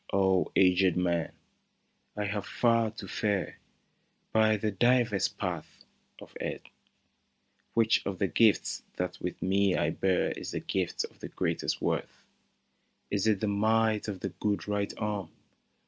" O aged man, I have far to fare By the divers paths of Earth, Which of the gifts that with me I bear Is the gift of the greatest worth ?" Is it the might of the good right arm.